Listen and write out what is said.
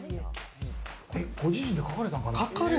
ご自身で描かれたんかな？